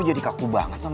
tapi juga di bayangin panim